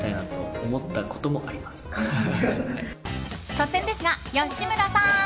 突然ですが、吉村さん！